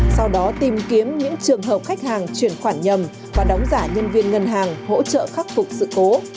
sau đó tìm kiếm những trường hợp khách hàng chuyển khoản nhầm và đóng giả nhân viên ngân hàng hỗ trợ khắc phục sự cố